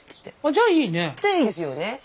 じゃあいいですよね。